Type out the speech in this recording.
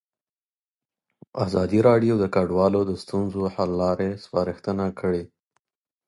ازادي راډیو د کډوال د ستونزو حل لارې سپارښتنې کړي.